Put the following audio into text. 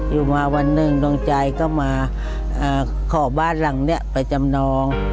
อยู่มาวันหนึ่งดวงใจก็มาขอบ้านหลังนี้ไปจำนอง